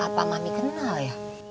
apa mami kenal ya